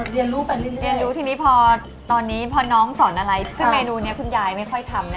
เรียนรู้ไปเรื่อยเรียนรู้ทีนี้พอตอนนี้พอน้องสอนอะไรซึ่งเมนูนี้คุณยายไม่ค่อยทำนะ